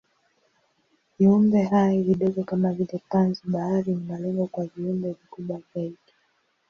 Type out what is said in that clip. Viumbehai vidogo kama vile panzi-bahari ni malengo kwa viumbe vikubwa zaidi.